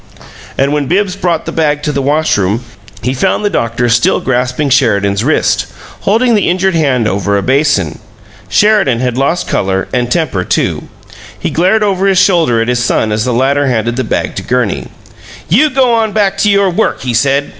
And when Bibbs brought the bag to the washroom he found the doctor still grasping Sheridan's wrist, holding the injured hand over a basin. Sheridan had lost color, and temper, too. He glared over his shoulder at his son as the latter handed the bag to Gurney. "You go on back to your work," he said.